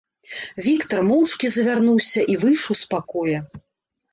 Віктар моўчкі завярнуўся і выйшаў з пакоя.